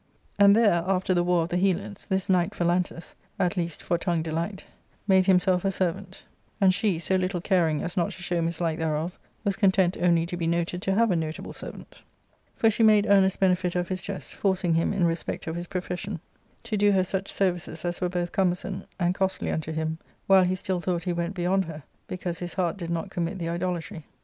"And there, after the war of the Helots, this knight Phalantus — at least, for tongue delight — made himself her servant ; and she, so little caring as not to show mislike thereof, was content only to be noted to have a notable servant For she made earnest benefit of his jest, forcing him, in respect of his profession, to do her such services as were both cumbersome and costly unto him, while he still thought he went beyond her, because his heart did not com mit the idolatry.